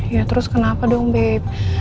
ya terus kenapa dong bebe